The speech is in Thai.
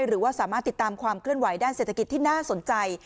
หรือว่าสามารถติดตามความเคลื่อนไหวด้านเศรษฐกิจที่น่าสนใจ